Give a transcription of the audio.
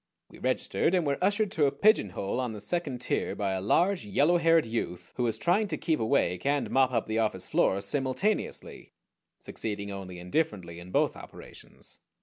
We registered, and were ushered to a pigeonhole on the second tier by a large, yellow haired youth, who was trying to keep awake and mop up the office floor simultaneously, succeeding only indifferently in both operations.